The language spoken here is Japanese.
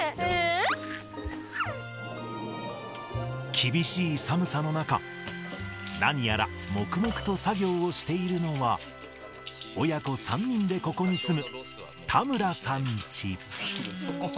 厳しい寒さの中、何やら黙々と作業をしているのは、親子３人でここに住む田村さんチ。